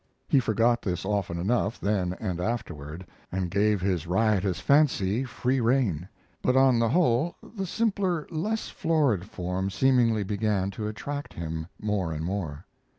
He forgot this often enough, then and afterward, and gave his riotous fancy free rein; but on the whole the simpler, less florid form seemingly began to attract him more and more.